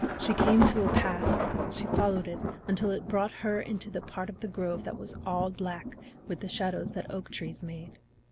She came to a path; she followed it until it brought her into the part of the grove that was all black with the shadow that oak trees made.